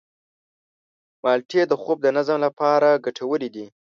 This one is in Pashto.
مالټې د خوب د نظم لپاره ګټورې دي.